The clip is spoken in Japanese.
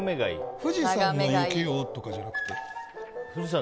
富士山の雪をとかじゃなくて？